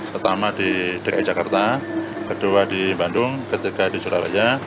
pertama di dki jakarta kedua di bandung ketiga di surabaya